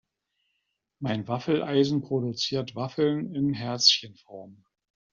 Mein Waffeleisen produziert Waffeln in Herzchenform.